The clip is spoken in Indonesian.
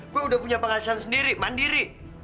gue udah punya penghasilan sendiri mandiri